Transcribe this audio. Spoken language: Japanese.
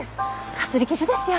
かすり傷ですよ。